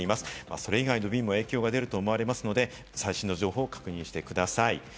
それ以外の便も影響が出ると思われますので、最新の状況を確認してください。